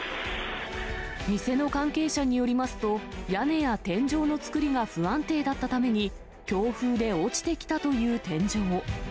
店の関係者によりますと、屋根や天井のつくりが不安定だったために、強風で落ちてきたという天井。